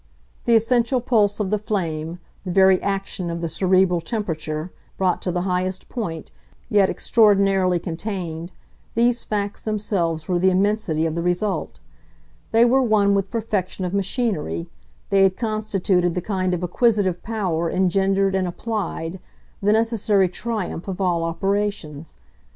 The essential pulse of the flame, the very action of the cerebral temperature, brought to the highest point, yet extraordinarily contained these facts themselves were the immensity of the result; they were one with perfection of machinery, they had constituted the kind of acquisitive power engendered and applied, the necessary triumph of all operations.